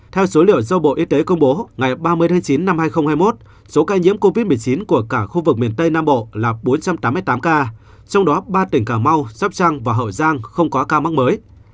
theo số liệu do bộ y tế công bố ngày ba mươi tháng chín năm hai nghìn hai mươi một số ca nhiễm covid một mươi chín của cả khu vực miền tây nam bộ là bốn trăm tám mươi tám ca trong đó ba tỉnh cà mau sắp trăng và hậu giang không có ca mắc mới